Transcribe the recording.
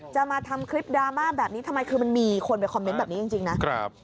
มาทำคลิปดราม่าแบบนี้ทำไมคือมันมีคนไปคอมเมนต์แบบนี้จริงนะครับ